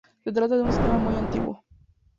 Se trata de un sistema muy antiguo.